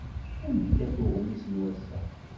Anda-t uɣmis n wass-a?